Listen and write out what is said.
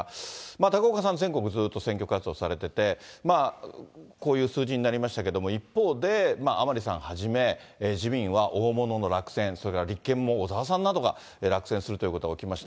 高岡さん、全国ずっと選挙活動されてて、こういう数字になりましたけれども、一方で、甘利さんはじめ、自民は大物の落選、それも立憲も小沢さんなどが落選するということが起きました。